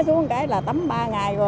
té xuống cái là tắm ba ngày